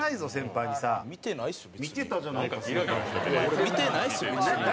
俺見てないっすよ別に。